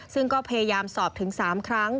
ซึ่งก็พยายามสอบถึง๓ครั้ง